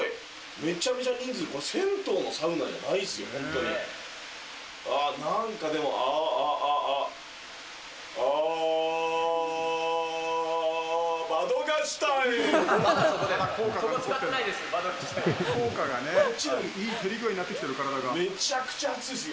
めちゃめちゃ人数、これ、銭湯のサウナじゃないっすよ。